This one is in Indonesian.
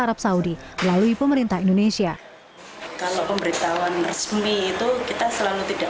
arab saudi melalui pemerintah indonesia kalau pemberitahuan resmi itu kita selalu tidak